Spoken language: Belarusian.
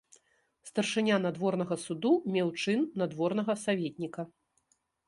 Старшыня надворнага суду меў чын надворнага саветніка.